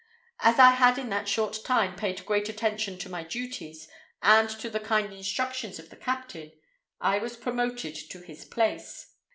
As I had in that short time paid great attention to my duties, and to the kind instructions of the captain, I was promoted to his place.